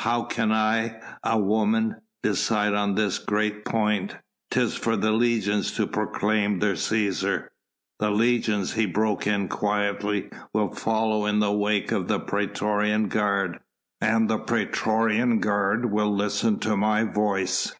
How can I a woman decide on this great point? 'Tis for the legions to proclaim their Cæsar...." "The legions," he broke in quietly, "will follow in the wake of the praetorian guard, and the praetorian guard will listen to my voice.